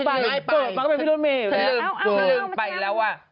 เปิดปั้นไปพูดรถเมย์